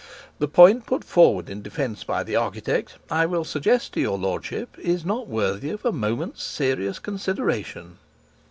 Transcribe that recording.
The point put forward in defence by the architect I will suggest to your lordship is not worthy of a moment's serious consideration."